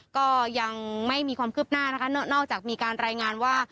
ก็ยังไม่มีความคืบหน้านะคะนอกจากมีการรายงานว่า